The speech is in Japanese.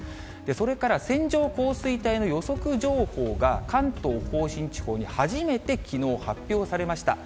それから、線状降水帯の予測情報が、関東甲信地方に初めてきのう、発表されました。